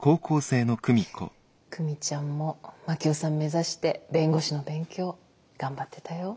久美ちゃんも真樹夫さん目指して弁護士の勉強頑張ってたよ。